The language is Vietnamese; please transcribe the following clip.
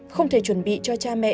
không thể chuẩn bị cho cha mẹ